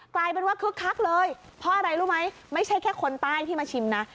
กลายเป็นว่าคึกคักเลยเพราะอะไรรู้ไหมไม่ใช่แค่คนใต้ที่มาชิมนะ